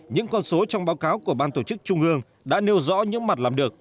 những con số trong báo cáo của ban tổ chức trung ương đã nêu rõ những mặt làm được